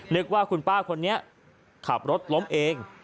นึกว่าคุณป้าคนนี้ขับรถล้มเอง